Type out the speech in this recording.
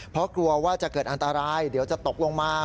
เพราะกลัวว่าจะเกิดอันตรายเดี๋ยวจะตกลงมา